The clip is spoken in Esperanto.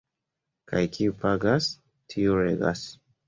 Kaj kiu pagas, tiu regas.